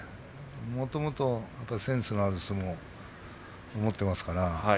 もともとセンスのある相撲を持っていますから。